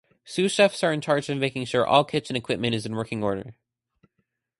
Sous-chefs are in charge of making sure all kitchen equipment is in working order.